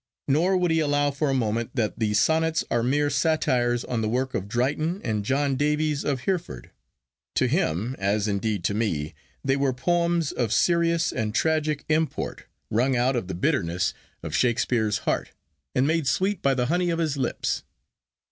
Nor would he allow for a moment that the Sonnets are mere satires on the work of Drayton and John Davies of Hereford. To him, as indeed to me, they were poems of serious and tragic import, wrung out of the bitterness of Shakespeare's heart, and made sweet by the honey of his lips.